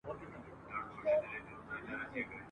زما يوازينۍ پښېماني د زلميتوب هغه وختونه دي چي ضايع سوي دي ..